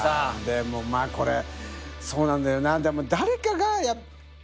でもまぁこれそうなんだよな。